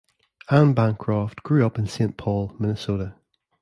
Ann Bancroft grew up in Saint Paul, Minnesota.